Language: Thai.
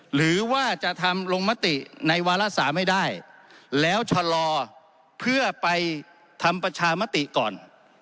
หรือว่าจะทำลงมติในวาระ๓ให้ได้แล้วชะลอเพื่อไปทำประชามติก่อน